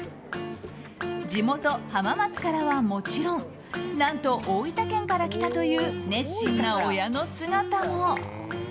地元・浜松からはもちろん何と大分県から来たという熱心な親の姿も。